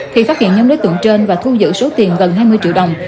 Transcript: thì phát hiện nhóm đối tượng trên và thu giữ số tiền gần hai mươi triệu đồng